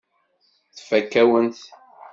Tfakk-awen-t.